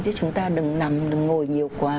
chứ chúng ta đừng nằm đừng ngồi nhiều quá